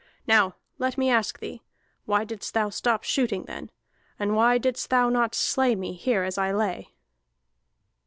Now let me ask thee, why didst thou stop shooting then; and why didst thou not slay me here as I lay?"